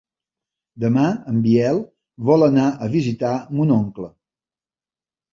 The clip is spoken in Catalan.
Demà en Biel vol anar a visitar mon oncle.